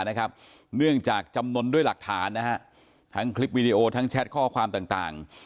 เนื่องจากจำนวนด้วยหลักฐานนะฮะทั้งคลิปวิดีโอทั้งแชทข้อความต่าง